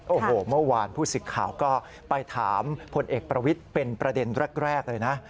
โอ้โหเมื่อวานผู้สิทธิ์ข่าวก็ไปถามพลเอกประวิทย์เป็นประเด็นแรกเลยนะ